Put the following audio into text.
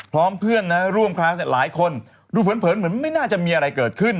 พร้อมเพื่อนร่วมคลาสหลายคนดูเผินเหมือนไม่น่าจะมีอะไรเกิดขึ้น